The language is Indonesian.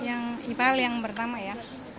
yang ipal yang pertama ya